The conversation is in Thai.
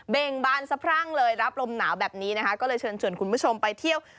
่งบานสะพรั่งเลยรับลมหนาวแบบนี้นะคะก็เลยเชิญชวนคุณผู้ชมไปเที่ยว